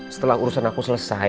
setelah urusan aku selesai